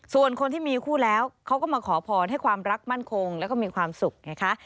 ส่วนคนที่มีคู่แล้วเขาก็มาขอพรให้ความรักมั่นคงแล้วก็มีความสุขไงคะ